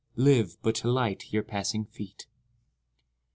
Live but to light your passing feet.